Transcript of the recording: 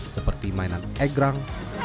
seperti mainan egrang